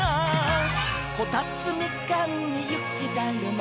「こたつみかんにゆきだるま」